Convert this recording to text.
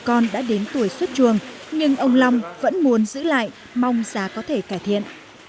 con đã đến tuổi xuất chuồng nhưng ông long vẫn muốn giữ lại mong giá có thể cải thiện